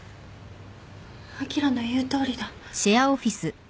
あきらの言うとおりだ。